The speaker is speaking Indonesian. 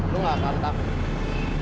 lu gak akan takut